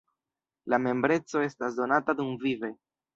La membreco estas donata dumvive.